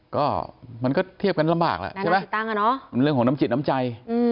ก็มันก็เทียบกันลำบากแล้วนะอย่างนั้นเรือของน้ำจิตน้ำใจ